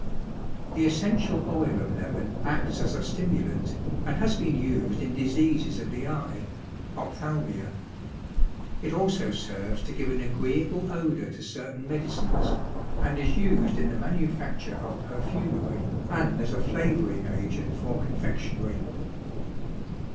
The essential oil of lemon acts as a stimulant and has been used in diseases of the eye (ophthalmia). It also serves to give an agreeable odor to certain medicines, and is used in the manufacture of perfumery and as a flavoring agent for confectionery.